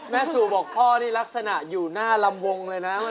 สู่บอกพ่อนี่ลักษณะอยู่หน้าลำวงเลยนะ